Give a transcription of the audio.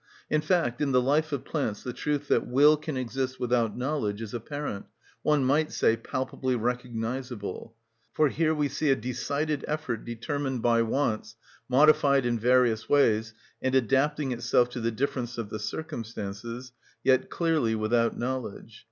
In fact, in the life of plants the truth that will can exist without knowledge is apparent—one might say palpably recognisable. For here we see a decided effort, determined by wants, modified in various ways, and adapting itself to the difference of the circumstances, yet clearly without knowledge.